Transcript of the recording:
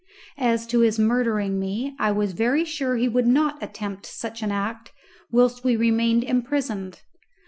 As to his murdering me, I was very sure he would not attempt such an act whilst we remained imprisoned.